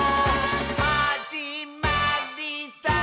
「はじまりさー」